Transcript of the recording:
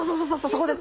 そこです！